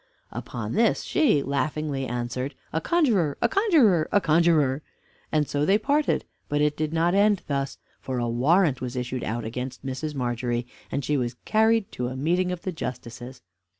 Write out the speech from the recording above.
Upon this she, laughing, answered, "a conjurer! a conjurer! a conjurer!" and so they parted; but it did not end thus, for a warrant was issued out against Mrs. Margery, and she was carried to a meeting of the justices.